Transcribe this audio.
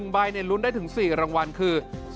๑ใบลุ้นได้ถึง๔รางวัลคือ